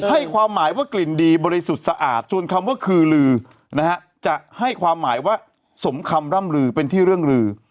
ให้ความหมายว่ากลิ่นดีบริสุทธิ์สะอาดส่วนคำว่าคือลือนะฮะจะให้ความหมายว่าสมคำร่ำลือเป็นที่เรื่องลือ